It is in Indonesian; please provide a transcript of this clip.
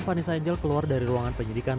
vanessa angel keluar dari ruangan penyidikan